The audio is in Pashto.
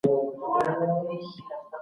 سياستوال د ټولنې مديران دي.